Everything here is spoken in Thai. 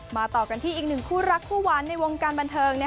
ต่อกันที่อีกหนึ่งคู่รักคู่หวานในวงการบันเทิง